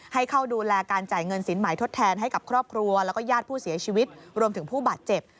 ให้เข้าดูแลการจ่ายเงินสินใหม่ทดแทนให้กับครอบครัวแล้วก็ญาติผู้เสียชีวิตรวมถึงผู้บาดเจ็บ